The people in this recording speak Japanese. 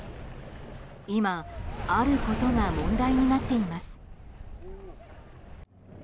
今、あることが問題になっています。